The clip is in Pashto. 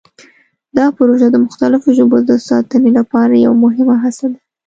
دا پروژه د مختلفو ژبو د ساتنې لپاره یوه مهمه هڅه ده.